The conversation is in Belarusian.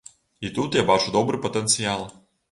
І тут я бачу добры патэнцыял.